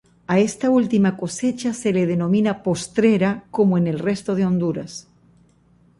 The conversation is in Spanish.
A esta última cosecha se le denomina postrera como en el resto de Honduras.